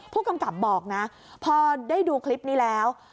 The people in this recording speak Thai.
ผู้กำกับบอกนะพอได้ดูคลิปนี้แล้ว